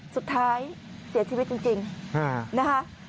สุดท้ายเสียชีวิตจริงนะคะ